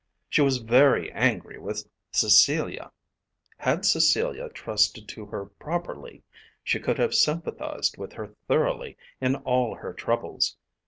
She was very angry with Cecilia. Had Cecilia trusted to her properly she could have sympathised with her thoroughly in all her troubles.